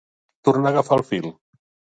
Tornar a agafar el fil.